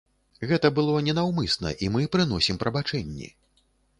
Гэта было ненаўмысна, і мы прыносім прабачэнні.